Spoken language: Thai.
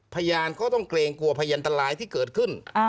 พยานก็ต้องเกรงกลัวพยันตรายที่เกิดขึ้น